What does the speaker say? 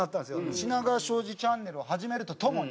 品川庄司チャンネルを始めるとともに。